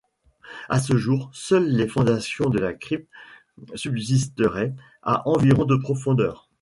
À ce jour, seules les fondations de la crypte subsiteraient, à environ de profondeur.